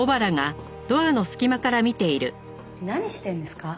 何してんですか？